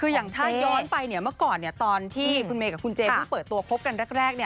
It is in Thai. คืออย่างถ้าย้อนไปเมื่อก่อนตอนที่คุณเมย์กับคุณเจเพิ่งเปิดตัวคบกันแรก